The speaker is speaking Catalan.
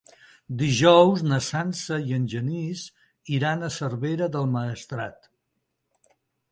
Dijous na Sança i en Genís iran a Cervera del Maestrat.